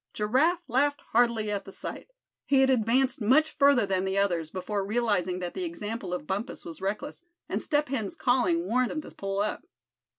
Giraffe laughed heartily at the sight. He had advanced much further than the others, before realizing that the example of Bumpus was reckless, and Step Hen's calling warned him to pull up.